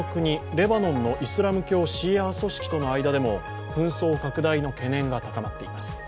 レバノンのイスラム教シーア派組織との間でも紛争拡大の懸念が高まっています。